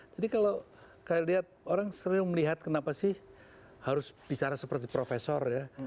jadi kalau kalian lihat orang sering melihat kenapa sih harus bicara seperti profesor ya